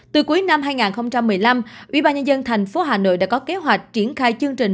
từ cuối năm hai nghìn một mươi năm ubnd tp hà nội đã có kế hoạch triển khai chương trình